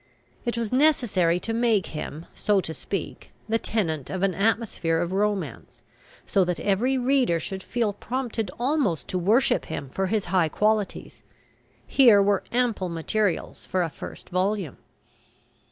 It was necessary to make him, so to speak, the tenant of an atmosphere of romance, so that every reader should feel prompted almost to worship him for his high qualities. Here were ample materials for a first volume.